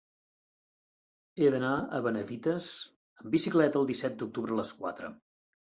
He d'anar a Benavites amb bicicleta el disset d'octubre a les quatre.